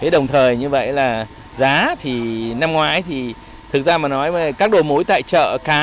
đồng thời như vậy là giá thì năm ngoái thì thực ra mà nói các đồ mối tại chợ cá